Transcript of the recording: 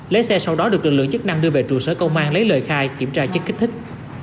lấy xe sau đó được lực lượng chức năng đưa về trụ sở công an lấy lời khai kiểm tra chất kích thích